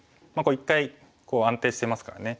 一回安定してますからね。